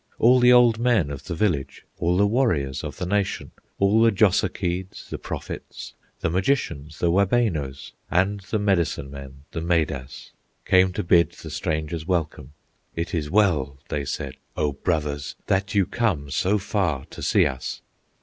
All the old men of the village, All the warriors of the nation, All the Jossakeeds, the Prophets, The magicians, the Wabenos, And the Medicine men, the Medas, Came to bid the strangers welcome; "It is well", they said, "O brothers, That you come so far to see us!"